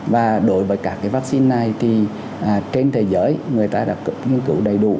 và đối với các vaccine này thì trên thế giới người ta đã nghiên cứu đầy đủ